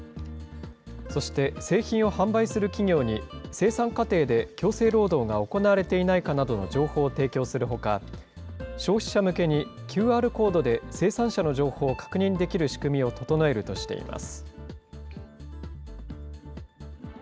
そして、製品を販売する企業に生産過程で強制労働が行われていないかなどの情報を提供するほか、消費者向けにＱＲコードで生産者の情報を確認できる仕組みを整えるとしています。